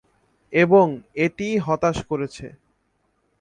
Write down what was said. এবং এটিই হতাশ করেছে।